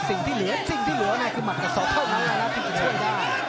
จริงที่เหลือจริงที่เหลือน่ะคือหมัดกับสองเท่านั้นแล้วนะที่จะช่วยได้